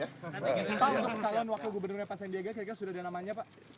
pak untuk calon wakil gubernurnya pak sandiaga kira kira sudah ada namanya pak